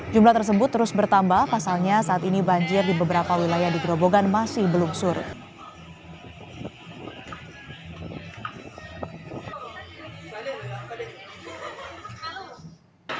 jumlah tersebut terus bertambah pasalnya saat ini banjir di beberapa wilayah di gerobogan masih belum surut